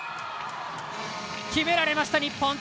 決められました、日本。